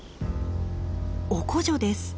オコジョです。